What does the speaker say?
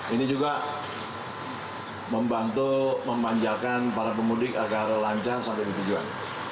ini juga membantu memanjakan para pemudik agar lancar sampai di tujuan